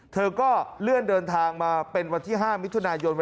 เธอก็เลื่อนเดินทางมาเป็นวันที่๕มิถุนายน